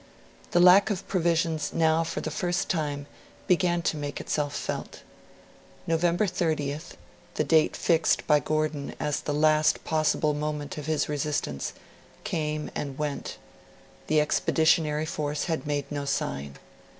The lack of provisions now for the first time began to make itself felt. November 30th the date fixed by Gordon as the last possible moment of his resistance came and went; the Expeditionary Force had made no sign.